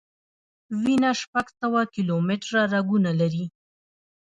وینه شپږ سوه کیلومټره رګونه لري.